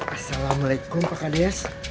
assalamualaikum pak kades